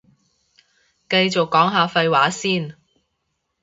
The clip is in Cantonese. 繼續講下廢話先